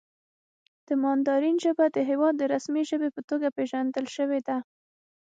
د ماندارین ژبه د هېواد د رسمي ژبې په توګه پېژندل شوې ده.